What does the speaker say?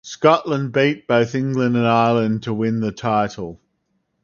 Scotland beat both England and Ireland to win the title.